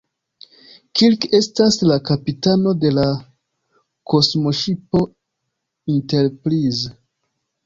Kirk estas la kapitano de la kosmoŝipo Enterprise.